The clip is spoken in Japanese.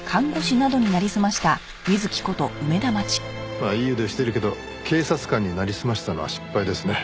まあいい腕してるけど警察官になりすましたのは失敗ですね。